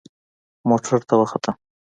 موټر ته وختم.